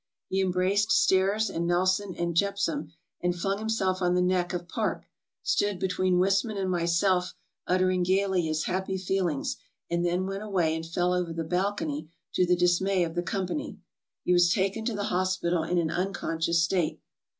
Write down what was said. He embraced Stairs and Nelson and Jephson, and flung himself on the neck of Parke; stood between Wissman and myself uttering gayly his happy feelings, and then went away and fell over the balcony to the dismay of the company. He was taken to the hospital in an unconscious state.